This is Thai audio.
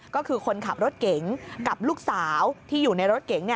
ก็คือคนขับรถเก๋งกับลูกสาวที่อยู่ในรถเก๋ง